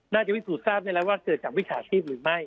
วิสูจนทราบได้แล้วว่าเกิดจากวิชาชีพหรือไม่